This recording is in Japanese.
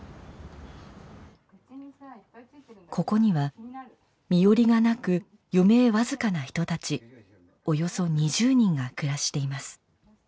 ここには身寄りがなく余命僅かな人たちおよそ２０人が暮らしています。